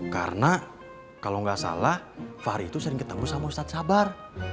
karena kalau nggak salah fahri itu sering ketemu sama ustadz sabar